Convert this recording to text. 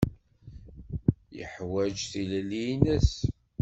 Yeḥwaǧ tilelli-nnes.